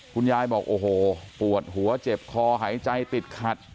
คุณยายบอกโอ้โหปวดหัวเจ็บคอหายใจติดขัด